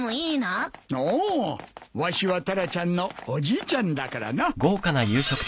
わしはタラちゃんのおじいちゃんだからな。